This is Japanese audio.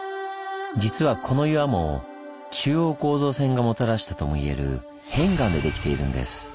実はこの岩も中央構造線がもたらしたともいえる片岩でできているんです。